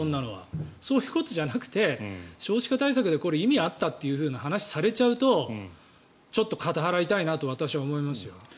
そういうことじゃなくて少子化対策で意味あったという話をされちゃうとちょっと片腹痛いなと私は思いますよ。